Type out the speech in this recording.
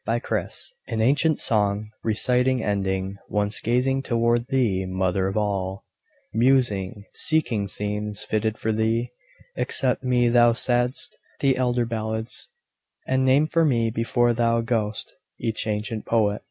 Old Chants An ancient song, reciting, ending, Once gazing toward thee, Mother of All, Musing, seeking themes fitted for thee, Accept me, thou saidst, the elder ballads, And name for me before thou goest each ancient poet.